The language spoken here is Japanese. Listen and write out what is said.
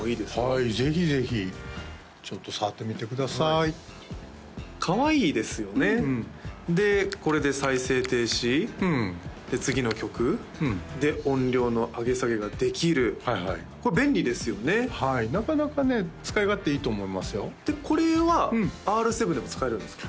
はいぜひぜひちょっと触ってみてくださいかわいいですよねでこれで再生停止で次の曲で音量の上げ下げができるこれ便利ですよねはいなかなかね使い勝手いいと思いますよでこれはＲ７でも使えるんですか？